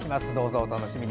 お楽しみに。